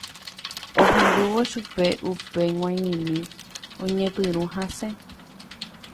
Ohendúvo chupe upe g̃uaig̃uimi oñepyrũ hasẽ